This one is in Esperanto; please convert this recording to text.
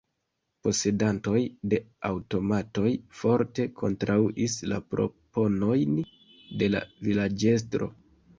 Posedantoj de aŭtomatoj forte kontraŭis la proponojn de la vilaĝestro.